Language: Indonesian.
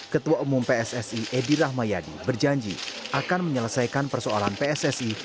ketua umum pssi edi rahmayadi berjanji akan menyelesaikan persoalan pssi